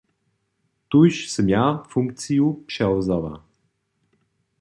Tuž sym ja funkciju přewzała.